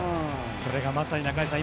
それがまさに中居さん